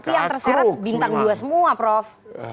tapi yang terseret bintang dua semua prof